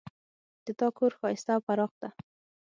د تا کور ښایسته او پراخ ده